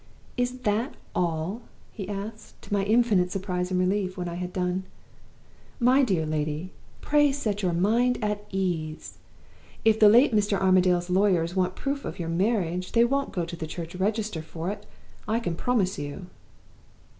"'Is that all?' he asked, to my infinite surprise and relief, when I had done. 'My dear lady, pray set your mind at ease! If the late Mr. Armadale's lawyers want a proof of your marriage, they won't go to the church register for it, I can promise you!